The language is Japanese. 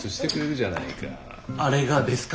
あれがですか？